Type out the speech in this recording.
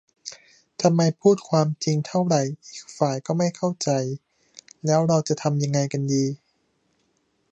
ทำไมพูดความจริงเท่าไรอีกฝ่ายก็ไม่เข้าใจ แล้วเราจะทำยังไงกันดี ?